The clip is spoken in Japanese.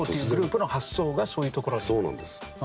そうなんです。